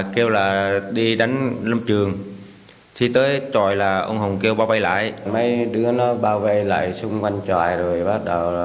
khi tới tròi là ông hùng kêu bảo vệ lại mấy đứa nó bảo vệ lại xung quanh tròi rồi bắt đầu